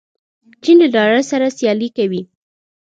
چین له ډالر سره سیالي کوي.